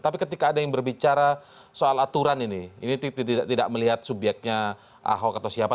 tapi ketika ada yang berbicara soal aturan ini ini tidak melihat subyeknya ahok atau siapa